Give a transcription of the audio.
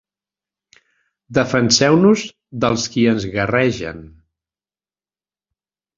Defenseu-nos dels qui ens guerregen.